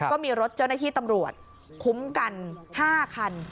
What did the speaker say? ก็มีรถเจ้าหน้าที่ตำรวจคุ้มกัน๕คัน